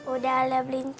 udah ada beli cendol